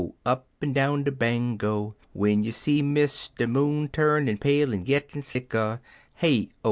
Upn down de Bango!) W'en you see Mister Moon turnin' pale en gittin" sicker — (Hey O!